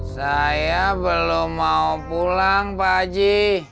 saya belum mau pulang pak haji